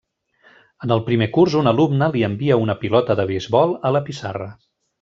En el primer curs un alumne li envia una pilota de beisbol a la pissarra.